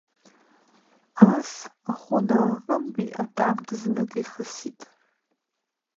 Ус Ахәынааҟынтәи атанк знык ихысит.